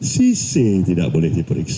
si c tidak boleh diperiksa